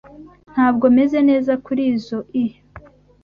Ntabwo meze neza kurizoi.